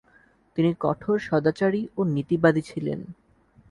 তিনি কঠোর সদাচারী ও নীতিবাদী ছিলেন।